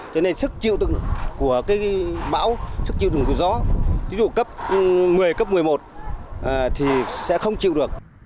cho nên sức chịu tự của cái bão sức chịu đựng của gió ví dụ cấp một mươi cấp một mươi một thì sẽ không chịu được